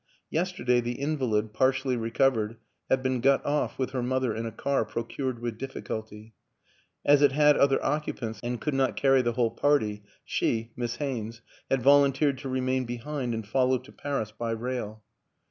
Yesterday the invalid, partially recovered, had been got off with her mother in a car procured with difficulty; as it had other occupants and could not carry the whole party, she Miss Haynes had vol unteered to remain behind and follow to Paris by rail.